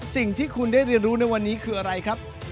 สิ่งที่คุณได้เรียนรู้ในวันนี้คืออะไรครับ